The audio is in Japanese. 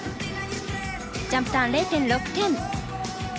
ジャンプターン、０．６点。